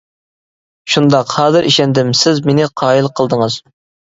شۇنداق، ھازىر ئىشەندىم، سىز مېنى قايىل قىلدىڭىز.